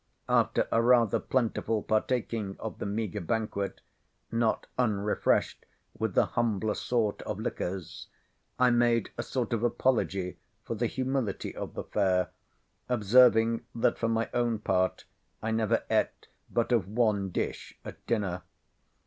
After a rather plentiful partaking of the meagre banquet, not unrefreshed with the humbler sort of liquors, I made a sort of apology for the humility of the fare, observing that for my own part I never ate but of one dish at dinner.